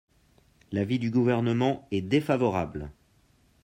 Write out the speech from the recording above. L’avis du Gouvernement est défavorable.